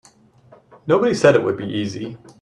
Nobody said it would be easy.